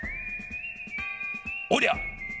おりゃ！